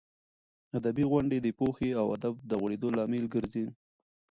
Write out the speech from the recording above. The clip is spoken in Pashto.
ادبي غونډې د پوهې او ادب د غوړېدو لامل ګرځي.